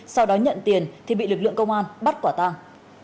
sau đó nhận tiền thì bị lực lượng công an bắt quả tàng